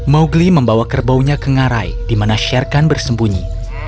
mowgli membawa kerbaunya ke ngarai di mana sherkan bersembunyi